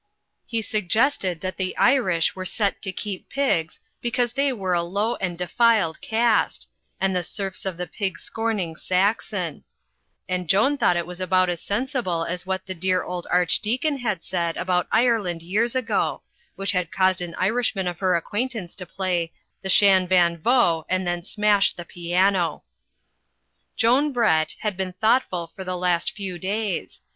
He suggested that the Irish were set to keep pigs because they were a low and defiled caste, and the serfs of the pig scorning Saxon ; and Joan thought it was about as sensible as what the dear old Archdeacon had said about Ireland years ago ; which had caused an Irishman of her acquaintance to play "the Shan Van Voght" and then smash the piano. Digitized by CjOOQ IC VEGETARIANISM 127 Joan Brett had been thoughtful for the last few days.